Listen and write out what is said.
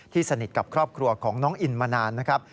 สนิทกับครอบครัวของน้องอินมานานนะครับ